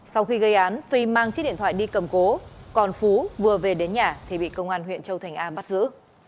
sau khi gây án phi mang chiếc điện thoại đi cầm cố còn phú vừa về đến nhà thì bị công an huyện châu thành a bắt giữ